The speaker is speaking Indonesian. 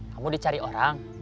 kamu dicari orang